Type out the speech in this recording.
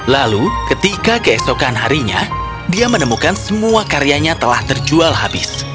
lalu ketika keesokan harinya dia menemukan semua karyanya telah terjual habis